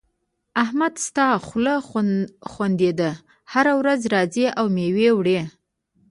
احمد ستا خوله وخوندېده؛ هر ورځ راځې او مېوه وړې.